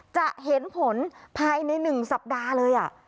จะเห็นผลภายใน๑สัปดาห์เลย